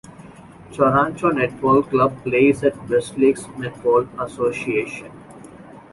Toronto Netball Club plays at Westlakes Netball Association.